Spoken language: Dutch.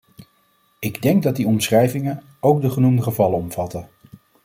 Ik denk dat die omschrijvingen ook de genoemde gevallen omvatten.